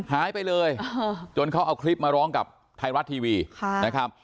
หายไปเลยจนเขาเอาคลิปมาร้องกับไทยรัฐทีวีนะครับ